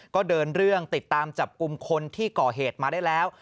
ก็เดินเรื่องติดตามจับกลุ่มคนที่ก่อเหตุมาได้แล้ว